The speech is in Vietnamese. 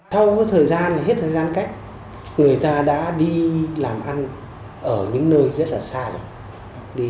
sau thời gian hết thời gian cách người ta đã đi làm ăn ở những nơi rất là xa rồi